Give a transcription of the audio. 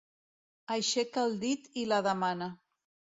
Aixeca el dit i la demana.